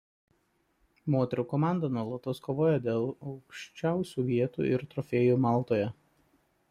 Moterų komanda nuolatos kovoja dėl aukščiausių vietų ir trofėjų Maltoje.